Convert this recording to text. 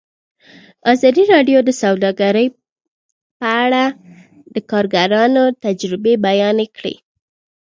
ازادي راډیو د سوداګري په اړه د کارګرانو تجربې بیان کړي.